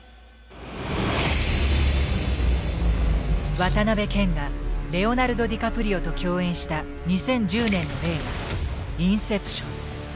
渡辺謙がレオナルド・ディカプリオと共演した２０１０年の映画「インセプション」。